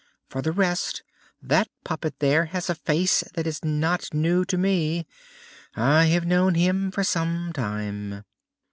For the rest, that puppet there has a face that is not new to me. I have known him for some time!"